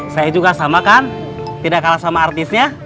saya juga sama kan tidak kalah sama artisnya